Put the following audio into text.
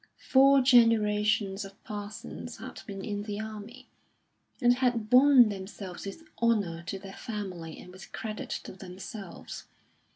Four generations of Parsons had been in the army, and had borne themselves with honour to their family and with credit to themselves.